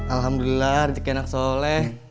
alhamdulillah rezek enak soleh